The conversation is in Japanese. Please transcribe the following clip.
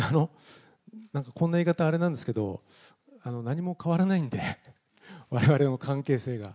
こんな言い方あれなんですけれども、何も変わらないんで、われわれの関係性が。